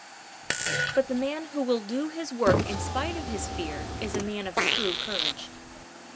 But the man who will do his work in spite of his fear is a man of true courage.